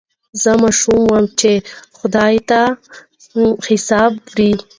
زه ماشوم وم چي یې خدای ته حساب وړی